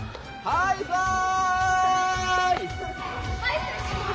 ハイサイ！